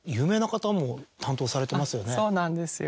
そうなんですよ。